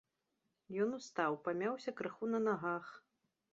Ён устаў, памяўся крыху на нагах.